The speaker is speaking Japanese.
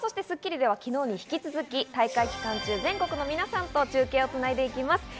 『スッキリ』では、昨日に引き続き、大会期間中、全国の皆さんと中継をつないでいきます。